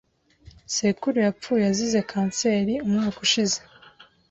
Sekuru yapfuye azize kanseri umwaka ushize.